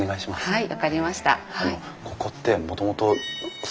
はい。